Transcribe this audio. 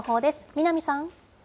南さん。